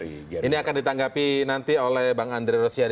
ini akan ditanggapi nanti oleh bang andre rosiade